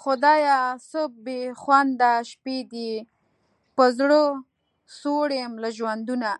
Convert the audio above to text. خدایه څه بېخونده شپې دي په زړه سوړ یم له ژوندونه